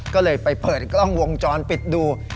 ก็เลยไปเปิดกล้องวงจรปิดดู